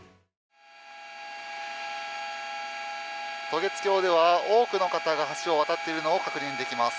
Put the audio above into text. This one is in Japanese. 渡月橋では多くの方が橋を渡っているのが確認できます。